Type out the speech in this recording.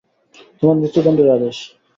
তোমার মৃত্যুদণ্ডের আদেশ।